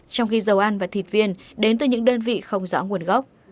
trong khi dầu ăn và thịt viên đến từ những đơn vị không rõ nguồn gốc